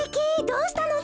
どうしたの？